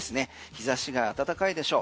日差しが暖かいでしょう。